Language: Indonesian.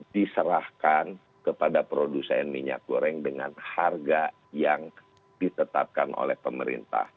diserahkan kepada produsen minyak goreng dengan harga yang ditetapkan oleh pemerintah